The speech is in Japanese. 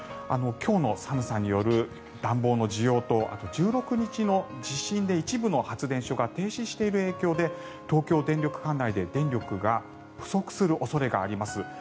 今日の寒さによる暖房の需要とあと１６日の地震で一部の発電所が停止している影響で東京電力管内で電力が不足する恐れがあります。